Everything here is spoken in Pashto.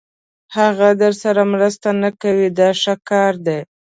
هغه درسره مرسته نه کوي دا ښه کار دی.